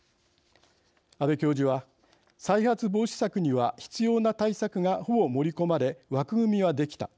安部教授は「再発防止策には必要な対策がほぼ盛り込まれ枠組みはできた。